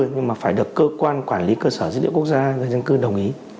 nhưng mà phải được cơ quan quản lý cơ sở dữ liệu quốc gia về dân cư đồng ý